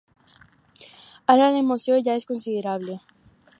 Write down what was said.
Ara l'emoció ja és considerable.